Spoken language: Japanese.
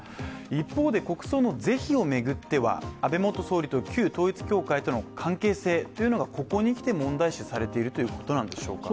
一方で国葬の是非を巡っては、安倍元首相と旧統一教会との関係性というのがここにきて問題視されているということなんでしょうか。